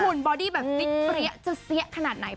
คุณบอดี้แบบฟิตเปรี้ยจะเสี้ยขนาดไหน